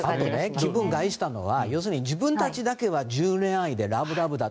気分を害したのは自分たちだけは自由恋愛でラブラブだと。